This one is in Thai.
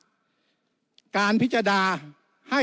วุฒิสภาจะเขียนไว้ในข้อที่๓๐